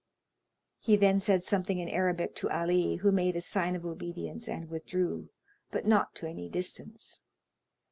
He then said something in Arabic to Ali, who made a sign of obedience and withdrew, but not to any distance.